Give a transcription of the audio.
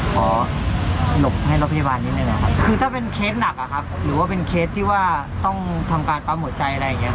ใช่ครับอาจจะหลบห้ามจากชีวิตก็ได้